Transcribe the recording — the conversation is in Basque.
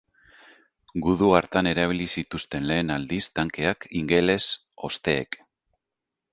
Gudu hartan erabili zituzten lehen aldiz tankeak ingeles osteek.